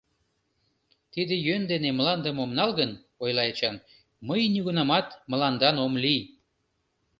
— Тиде йӧн дене мландым ом нал гын, — ойла Эчан, — мый нигунамат мландан ом лий.